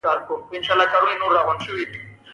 بيوټمز پوهنتون په کوټه کښي دی.